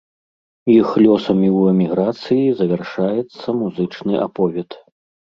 Іх лёсамі ў эміграцыі завяршаецца музычны аповед.